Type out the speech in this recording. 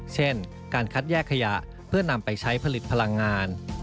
เช่นการคัดแยกขยะเพื่อนำไปใช้ผลิตพลังงาน